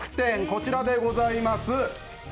こちらでございます。